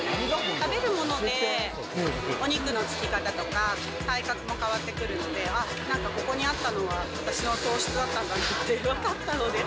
食べるものでお肉のつき方とか、体格も変わってくるので、あっ、なんかここにあったのは私の糖質だったんだって分かったので。